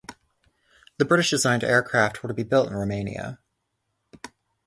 The British designed aircraft were to be built in Romania.